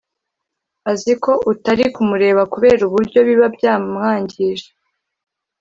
azi ko utari kumureba kubera uburyo biba byamwangije